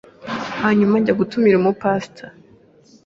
Hanyuma njya gutumira umu Pasteur